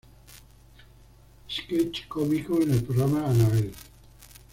Sketch cómico en el programa Anabel.